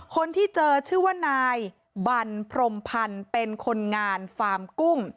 คนที่เจอชื่อว่านายบันพรมพันธ์เป็นคนงานฟาร์มกุ้ง